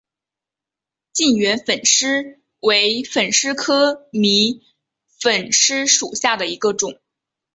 近圆粉虱为粉虱科迷粉虱属下的一个种。